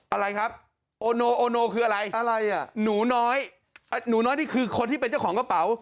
อะไรครับโอโนโอโนคืออะไรอะไรอ่ะหนูน้อยหนูน้อยนี่คือคนที่เป็นเจ้าของกระเป๋า